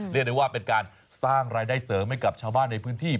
เรียกได้ว่าเป็นการสร้างรายได้เสริมให้กับชาวบ้านในพื้นที่